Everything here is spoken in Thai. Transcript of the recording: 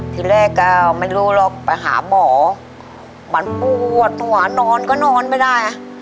ทีแรกก็ไม่รู้หรอกไปหาหมอมันปวดหัวนอนก็นอนไม่ได้